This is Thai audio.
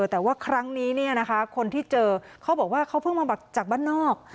แต่ว่าครั้งนี้คนที่เจอเขาบอกว่าเขาเพิ่งมาจากบ้านนอก